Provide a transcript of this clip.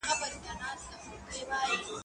زه به سبا مېوې راټولې کړم!.